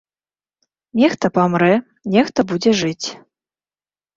Нехта памрэ, нехта будзе жыць.